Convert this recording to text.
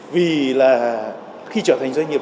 vì khi trở thành doanh nghiệp